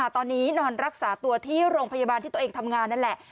ตอนนี้นอนรักษาตัวที่โรงพยาบาลที่ตัวเองทำงานนั่นแหละ